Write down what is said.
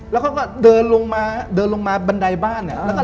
แล้วก็เดินลงมาบันไดบ้านอะ